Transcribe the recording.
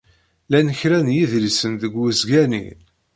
Llan kra n yedlisen deg wesga-nni.